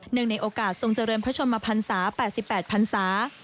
ในโอกาสทรงเจริญพระชมพันศา๘๘พันศา